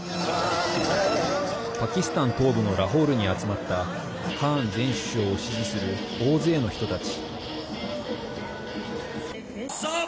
パキスタン東部のラホールに集まったカーン前首相を支持する大勢の人たち。